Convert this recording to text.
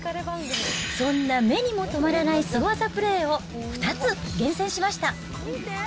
そんな目にも留まらないスゴ技プレーを、２つ厳選しました。